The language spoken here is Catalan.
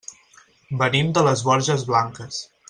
Venim de les Borges Blanques.